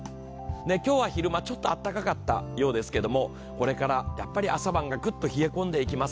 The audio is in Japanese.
今日は昼間ちょっと暖かかったようですがこれからやっぱり朝晩がぐっと冷え込んでいきます。